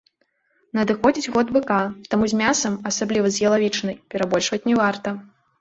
Надыходзіць год быка, таму з мясам, асабліва з ялавічынай, перабольшваць не варта.